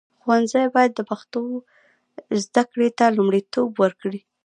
ښوونځي باید د پښتو زده کړې ته لومړیتوب ورکړي.